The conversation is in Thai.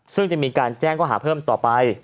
ซึ่งจะมีการแจ้งข้อหาเพิ่มต่อไป